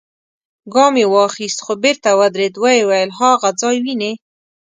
ګام يې واخيست، خو بېرته ودرېد، ويې ويل: هاغه ځای وينې؟